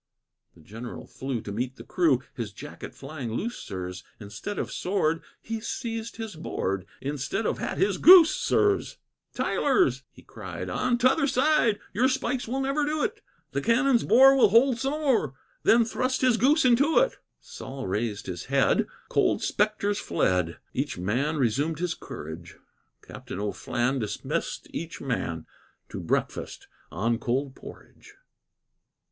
The General flew to meet the crew, His jacket flying loose, sirs; Instead of sword, he seized his board; Instead of hat, his goose, sirs. "Tyler's" he cried, "on t'other side, Your spikes will never do it; The cannon's bore will hold some more," Then thrust his goose into it. Sol raised his head, cold spectres fled; Each man resumed his courage; Captain O'Flan dismissed each man To breakfast on cold porridge.